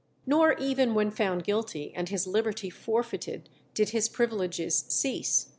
Nor even when found guilty and his liberty forfeited did his privileges cease.